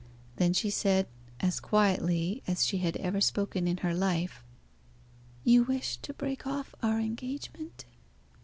Then she said, as quietly as she had ever spoken in her life, "You wish to break off our engagement?"